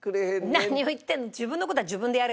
何を言ってんの！